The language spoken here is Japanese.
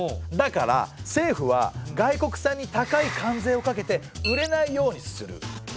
だから政府は外国産に高い関税をかけて売れないようにする。